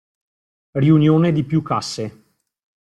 Riunione di più casse.